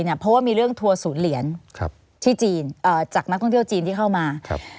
เพราะว่ามีเรื่องทัวร์ศูนย์เหรียญที่จีนจากนักท่องเที่ยวจีนที่เข้ามา